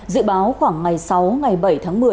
dự báo khoảng ngày sáu ngày bảy tháng một mươi